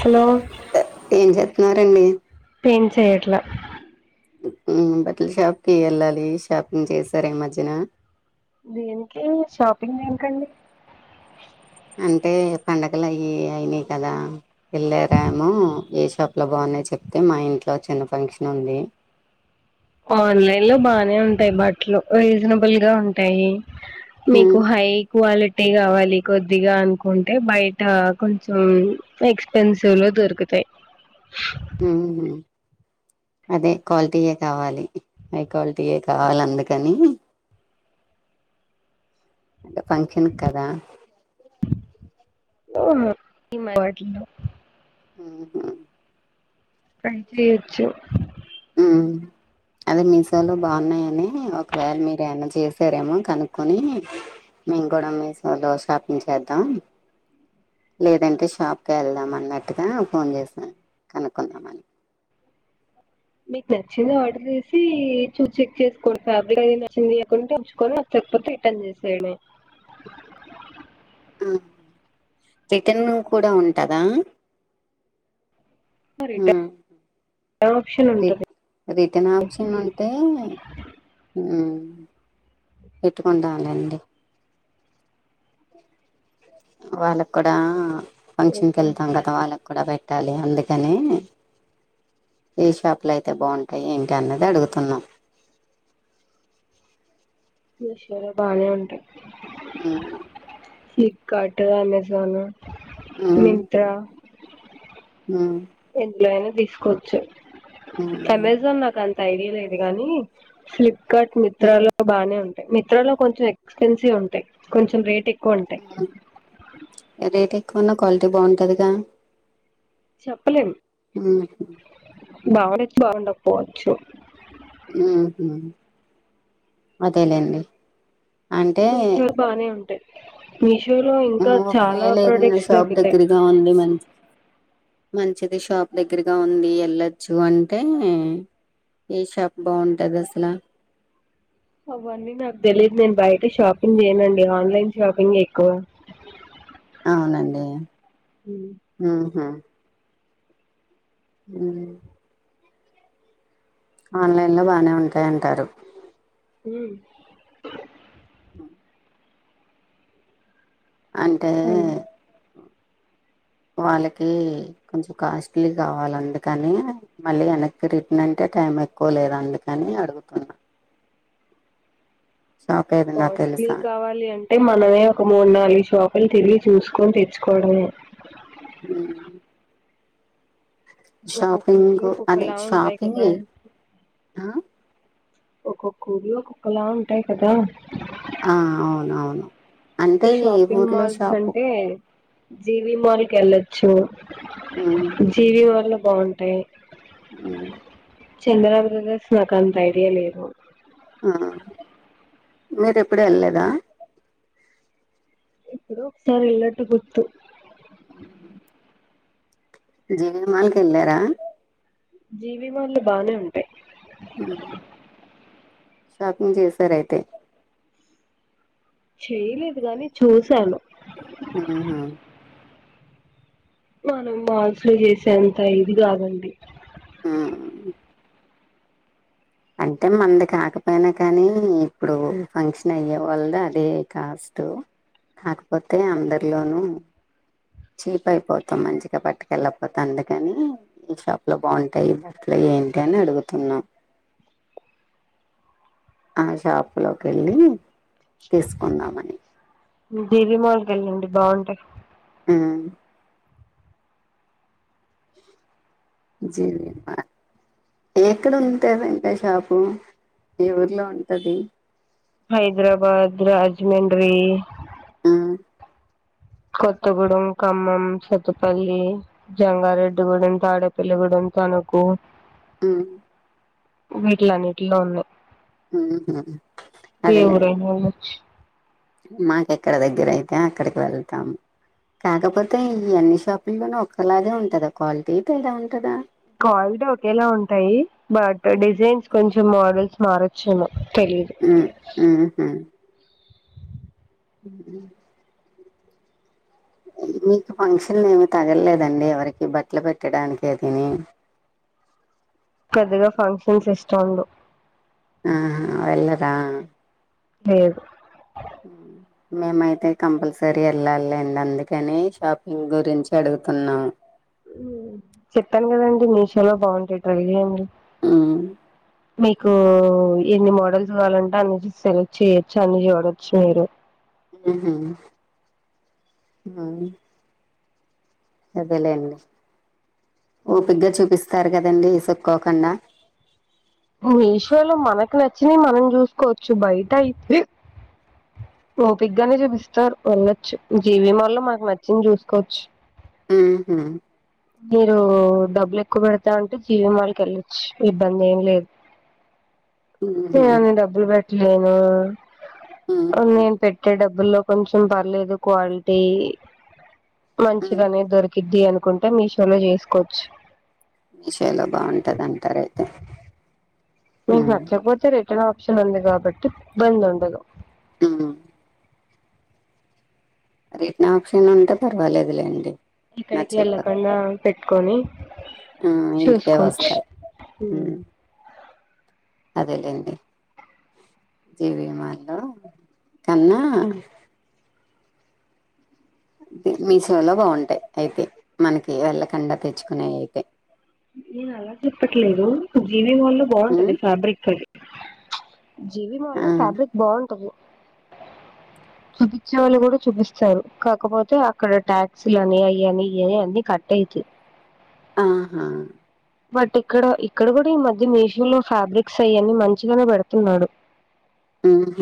Hello ఏమండీ teacher ఎవరండీ paint చేయట్లా ఉక్ ఉమ్ బట్టల షాప్ కి వెళ్ళాలి షాపింగ్ చేసారా ఈ మధ్యన దీనికి పాంటింగ్ దేనికండి అంటే పండగలు అవి అయినాయి కదా వెళ్ళారమో ఏ షాప్ లో బాగున్నాయ చెప్తే మా ఇంట్లో చిన్న ఫంక్షన్ ఉంది ఆన్లైన్ లో బానే ఉంటాయి బట్టలు రీజనబుల్ గా ఉంటాయి మీకు హ్మ్. హై క్వాలిటీ పట్టి కావాలి కొద్దిగా అనుకుంటే బయట కొంచెం ఎక్స్పెన్సివ్ లో దొరుకుతాయి ఉహూ అదే క్వాలిటీయే కావాలి హై క్వాలిటీయే కావాలి అందుకని అంటే ఫంక్షన్ కదా ఏమో ఎట్లుందో ఉహూ పైన చేయచ్చు అదే మీసోలో బాగున్నాయని ఒకవేళ మీరు ఏమన్నా చేసారేమో కనుక్కొని మేము కూడా మీసోలో షాపింగ్ చేద్దాం లేదంటే షాప్కి వెళ్దాం అన్నట్టుగా ఫోన్ చేసాం కనుక్కుందామని మీకు నచ్చింది ఆర్డర్ చేసి చూసి చెక్ చేసుకోడి ఫ్యాబ్రిక్ అ నచ్చింది లేకుంటే ఉంచుకొనికపోతే రిటర్న్ చేసేయడమే ఉ రిటన్ కూడా ఉంటదా రిటర్న్ ఉమ్ ఆప్షన్ రి ఉంటది రిటర్న్ ఆప్షన్ ఉంటే ఉమ్ పెట్టుకుంటా లెండి వాళ్ళకు కూడా ఆ ఫంక్షన్ కు ఓకే వెళ్తాం కదా వాళ్ళ కూడా పెట్ట పెట్టాలి అందుకని ఏ షాపులు అయితే బాగుంటాయి ఏంటి అన్నది అడుగుతున్నాం నషర బానే ఉంటాయి ఫ్లిప్ కార్ట్ అమెజాన్ అమెజాన్ హ్మ్ ఎందులో అయినా తీసుకోవచ్చు అమెజాన్ నాకు అం ఐడియా లేదు గానీ స్లిప్ బట్ మింత్రాల్లో బానే ఉంటు మింత్రాలో కొంచెం ఎక్స్పెన్సివ్ ఉంటాయి కొంచెం రేట్ ఎ అదైతే కొన్న క్వాలిటీ బావుంటదిగా చెప్పలేం బాగుండొచ్చు బాగుండక పోవచ్చు ఊహూ అదేలేండి అంటే మీషోలొ బానే ఉంటాయి మీషో ఒకవేళ ఏదన్నా షాప్ దొరుకుతాయి దగ్గరగా ఉంది మంచి మంచిది షాప్ దగ్గరగా ఉంది ఎళ్లచ్చు అంటే ఏ షాప్ బావుంటది అసల అవన్నీ నాకు తెలీయదు నేను బయట షాపింగ్ చేయనుండి ఆన్లైన్ షాపింగ్ ఎక్కువ అవునండి ఊహూ హ్మ్ ఆన్లైన్ లో బానే ఉంటాయంటారు హ్మ్ అంటే అవును వాళ్ళకి కొంచెం కాస్ట్లీ కావాలి అందుకని మళ్ళీ వెనక్కి రిటర్న్ అంటే టైం ఎక్కువ లేదు అందుకని అడుగుతున్నా షాప్ ఏదన్నా కాస్ట్లీ తెలుసా కావాలి అంటే మనమే ఒక మూడు నాలుగు షా లోపల తిరిగి చూసుకొని తెచ్చుకోవడమే హ్మ్ ఒక్కొక్క ఊర్లో షాపింగు అదే ఒక్కొక్కలా ఉంటాయి కదా షాపింగే ఆ ఒక్కొక్క ఊరిలో ఒక్కొక్కలా ఉంటాయి కదా ఆ అవును అవును షాపింగ్ మాల్స్ అంటే జీవి మాల్ కి ఎళ్ళొచ్చు మ్మ్ జీవి వాళ్ళ బావుంటాయి మ్మ్ చందన బ్రదర్స్ నాకు అంత ఐడియా లేదు ఆ మీరు ఎప్పుడు ఎళ్లేదా ఎప్పుడో ఒకసారి వెళ్ళినట్టు గుర్తు జివి మాాల్కి వెళ్ళార జీవిమాల్ లో బానే ఉంటాయి షాపింగ్ చేసారయితే చేయలేదు కాగాని చూశాను మ్మ్ హ్మ్మ్ మనం మాల్స్ లో చేసేంత ఇది కాదండి ఆ అంటే మంది కాకపోయినా కానీ ఇప్పుడు ఫంక్షన్ అయ్యే వాళ్ళద అదే కాస్ట్ కాకపోతే అందరిలోనూ చీప్ అయిపోతాం మంచిగా పట్టుకెళ్ళపోతా అందుకని ఈ షాప్ లో బాగుంటాయి ఈ బస్లో ఏంటి అని అడుగుతున్నాం ఆ షాప్ లోకి వెళ్ళి తీసుకుందామని జీవి మాల్కి వెళ్ళండి బాగుంటాయి ఉమ్ జీవి మాల్ ఎక్కడ ఉంటదా ఇంకా షాపు ఏ ఊర్లో ఉంటది హైదరాబాద్ రాజమండ్రి ఉమ్ కొత్తగూడెం ఖమ్మం సతుపల్లి జంగారెడ్డిగూడెం తాడపిల్లిగూడెం తణకు ఉమ్ వీట్ల అన్నిట్లో ఉన్నాయి ఆహా ఏవు రయినా వా మాకు ఎక్కడ దగ్గర అయితే అక్కడికి వెళ్తాము కాకపోతే ఈ అన్ని షాపుల్లోన ఒక్కలాగే ఉంటుందా క్వాలిటీ తేడా ఉంటుందా క్వాలిటీ ఒకేలా ఉంటాయి బట్ డిజైన్స్ మోడల్స్ మారొచ్చు ఉమ్ ఉహ్ ఉ మీకు ఫంక్షన్ ఏమి తగలలేదండి ఎవరికి బట్టలు పెట్టడానికి తని పెద్దగా ఫంక్షన్స్ ఇష్టము ఉండవు ఆహా వెళ్ళరా లేదు మేమైతే కంపల్సరీ వెళ్ళాలిండి అందుకని షాపింగ్ గురించి అడుగుతున్నాము చెప్పాను కదండి మీషోలో బాగుంటాయి ట్రై చేయండి ఉమ్ మీకు ఎన్ని మోడల్స్ కావాలంటే అన్న సెలెక్ట్ చేయ్యొచ్చు అన్ని చూడొచ్చు మీరు అదేలేండి ఊపిగగా చూపిస్తారు కదండి ఇసుక్కోకుండా మీషోలో మనకు నచ్చిన మనం చూసుకోవచ్చు బయట అయితే ఓపికగానే చూపిస్తారు వెళ్ళొచ్చు జీవి మాల్ లో మనకు నచ్చింది చూసుకోవచ్చు హ్మ్మ్ హూ మీరు డబ్బులు ఎక్కువ పెడతా అంటే జీవి మాల్ కి వెళ్ళొచ్చు ఇబ్బంది ఏమి లేదు ఉహు తయాని డబ్బులు ఏనా ఉ అ నేను డబ్బుల్లో కొంచం పర్లేదు క్వాలిటీ ఉ మంచిగానే దొరికిది నుకుంటే మీషోలో చేసుకోవచ్చు మీషయాలో బాగుంటంది అంటారయితే మీకు నచ్చకపోతే రి టర్న్ ఆప్షన్ ఉంది కాబట్టి ఇబ్బంది ఉండదు ఉమ్ రిటన ఆప్షన్ ఉంటే పర్వాలేదులేండి ఇక్కడికి నచ్చకపోతే వెళ్ళకుడా పెట్టుకొని ఆ ఇంటికే చూసుకోవచ్చు వస్తాయి ఉమ్ అదేలేండి జీవిమాలో కన్నా మీషోలో బాగుంటాయి అయితే మనకి వెళ్ళకుండా తెచ్చుకునేవి అయితే నేను అలా చెప్పట్లేదు జ వి మాలో బాగుంటుది ఉమ్ ఫ్యాబ్రిక్ అది జీవి మాలో ఆ ఫ్యాబ్రిక్ బాగుంటది చూపించే వాళ్ళు కూడా చూపిస్తారు కాకపోతే అక్కడ టాక్సీలు అని అవి అని అని అన్ని కట్ట అతాయి ఆహా బట్ ఇక్కడ ఇక్కడ కూడా ఈ మధ్య మీషో లో ఫ్యాబ్రిక్స్ అవన్నీ మంచిగానే పెడుతున్నాడు ఆహ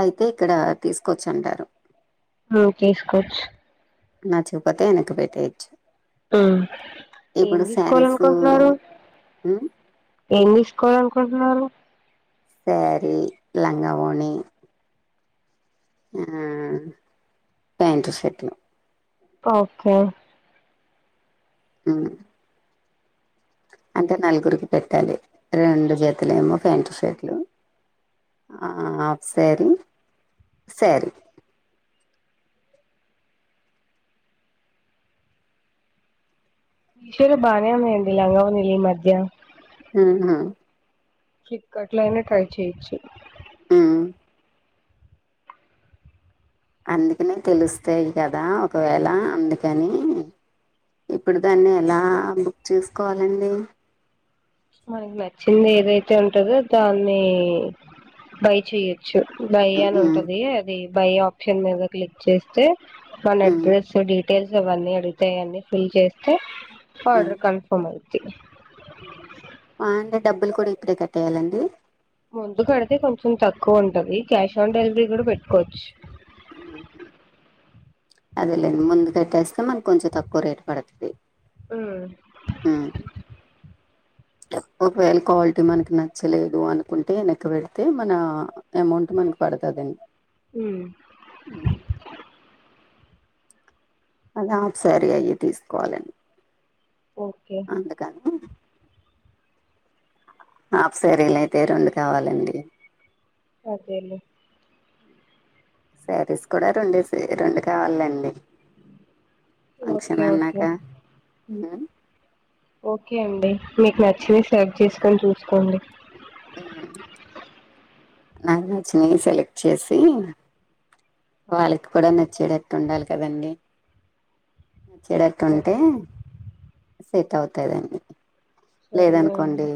అయితే ఇక్కడ తీసుకోచ్చ అంటారు ఆ తీసుకోచ్చు నచ్చకపోతే ఎనకు పెటెయచు ఆ ఏం శారీసు తీసుకోవాలనుకుంటున్నారు ఏం తీసుకోవాల అనుకుంటున్నారు సారి లంగ వోని ఆ ప్యాంటు షర్ట్లు ఓకే ఉమ్ అంటే నలుగురికి పెట్టాలి రెండు జతలు ఏమో ప్యాంటు షర్ట్లు హాఫ్ శారీ శారీ మీషోలో బానేే ఉన్నాయండీ లంగ వోని లు ఈ మధ్య హుమ్మ్ ఫ్లిప్కట్లో అయిన ట్రై చేయొచ్చు ఆ అందుకనే తెలుస్తాయి కదా ఒకవేళ అందుకని ఇప్పుడు దాన్ని ఎలా బుక్ చేసుకోవాలండి మనకి నచ్చింది ఏదైతే ఉంటదో దాన్ని బై చెయ్య చ్చు బయ్ ఉమ్, అని ఉమ్, ఉంటది అది బై ఆప్షన్ మీద క్లిక్ చేస్తే మన ఉమ్, అడ్రెస్ డి డీటెయిల్స్ అవన్నీ అడుగుతాయి అండి ఫిల్ చేస్తే హార్డర్ కన్ఫర్మ్ ఐ థీ అ డబ్బులు కూడా ఇప్పుడే కట్టేయాలండి ముందు కడితే కొంచెం తక్కువ ఉంటంది క్యాష్ ఆన్ డెలివరీ కూడా పెట్టుకోవచ్చు అదేలేం ముందు కట్టేస్తే మన కొంచెం తక్కువ రేట్ పడుతుంది హమ్ ఒకవేళ క్వాలిటీ మనకి నచ్చలేదు అనుకుంటే వెనెక్క పెడితే మన అమౌంట్ మనకు పడుతుందండి హమ్ అదా సర అయ్యి తీసుకోవాలని ఓకే అందుకని ఆప్సరీలుయితే రెండు కావాలండి అదేల శారీస్ కూడా రెం రెండు కావాలండి ఓకే ఫంక్షన్ ఓకే అన్నాక ఓకే అండి మీకు నచ్చినవి సర్వ్ చేసుకొని చూసుకోండి హమ్ నా నచ్చని సెలెక్ట్ చేసి వాళ్ళకి కూడా నచ్చేటట్టు ఉండాలి కదం చెడట్ సరే ఉంటే సేట్ అవుతాయిదండి సర్లే అండి లేదనుకోండి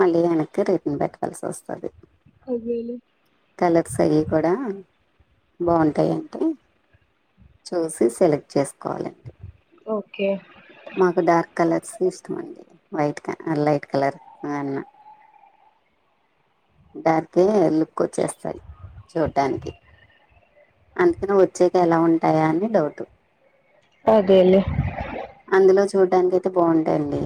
మళ్ళ్యాణకు రిటన్ పెట్టవలసి వస్తుంది అదేలే కలర్ సరి కూడా బాగుంటాయింటే చూసి సెలెక్ట్ చేసుకోవాలండి ఓకే మాకు డార్క్ కలర్స్ ఇష్టమ అండి వైట్ లైట్ కలర్ కన్నా క ఎ ఎక్కువ వచ్చేస్తాయి చూడటానికి అందుకని వచ్చేక ఎలా ఉంటాయా అని లౌటు అదేలే అందులో చూడడానినికి అయితే బాగుంటాయిండి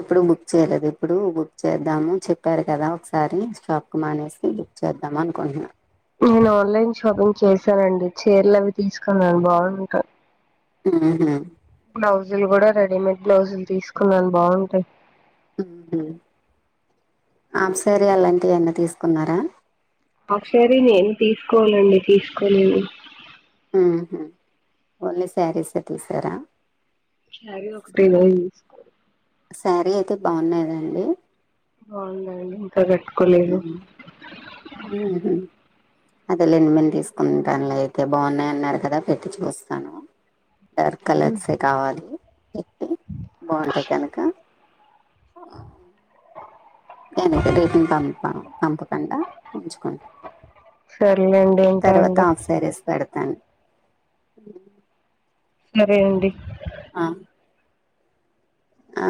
ఎప్పుడు బుక్ చేయలేదు ఇప్పుడు బుక్ చేద్దాము చెప్పారు కదా ఒకసారి స్టాప్ కు మానేసి బుక్ చేద్దాం అనుకుంటున్నా అసరండి చీరలు అవి తీసుకున్నా బాగుంటా హహ బ్లౌజులు కూడా రెడీమేడ్ బ్లౌజులు తీసుకున్నాను బాగుంటాయి ఆంప్సేరి అలాంటివివన్న తీసుకున్నారా ఆసారి నేను తీసుకోవాలండి తీసుకోలేను ఓన్లీ శారీస్ తీసారా సరే ఒకటి తీసుకో సారీ అయితే బాగున్నాదండి అవుందండి తగట్కలేదు ఉమ్, అదే లేని మను తీసుకుంటాను లే అయితే బాగున్నాయన్నారు కదా పెట్టి చూస్తాను డార్క్ కలర్సే కావాలి ఎట్టి బాగుంటాయి కనక ఆ నేనైతే రేటింగ్ పంపా పంపకుండా ఉంచుకుంటా సరేలేండి ఉంటా తర్వాత అండి ఆఫ్ సారీస్ పెడ్ తన్ మరే అండి ఆ ఆ